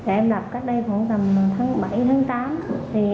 em lập cách đây khoảng tháng bảy tháng tám